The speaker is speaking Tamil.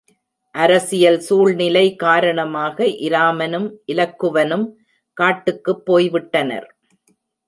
அரசியல் சூழ்நிலை காரணமாக இராமனும் இலக்குவனும் காட்டுக்குப் போய் விட்டனர்.